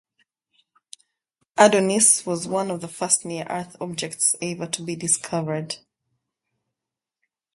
"Adonis" was one of the first near-Earth objects ever to be discovered.